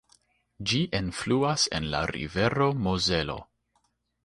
Ĝi enfluas en la rivero Mozelo.